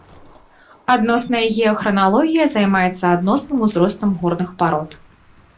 Адносная геахраналогія займаецца адносным узростам горных парод.